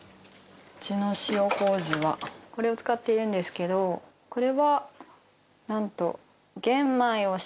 うちの塩麹はこれを使っているんですけどこれは、なんと。